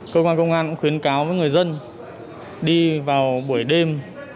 cơ quan công an cũng khuyến cáo với người dân đi vào buổi đêm